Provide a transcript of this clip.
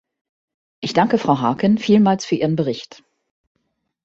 Ich danke Frau Harkin vielmals für ihren Bericht.